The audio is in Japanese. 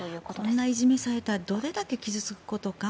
こんないじめをされたらどれだけ傷付くことか。